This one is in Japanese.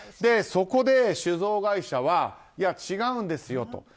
そこで酒造会社は違うんですよと。